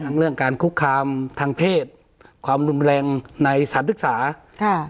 เรื่องการคุกคามทางเพศความรุนแรงในสถานศึกษาค่ะ